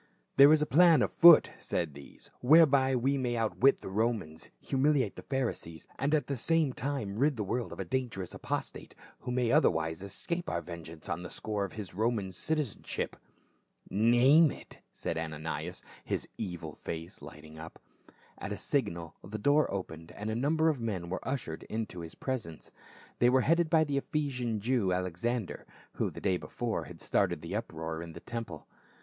"There is a plan on foot," said these, " whereby we may outwit the Romans, humiliate the Pharisees, and at the same time rid the world of a dan gerous apostate, who may otherwise escape our ven geance on the score of his Roman citizenship." "Name it," said Ananias, his evil face lighting up. At a signal the door opened and a number of men were ushered into his presence. They were headed by the Ephesian Jew, Alexander, who the day before had started the uproar in the temple.